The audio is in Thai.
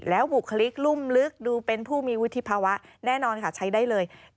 บุคลิกรุ่มลึกดูเป็นผู้มีวุฒิภาวะแน่นอนค่ะใช้ได้เลย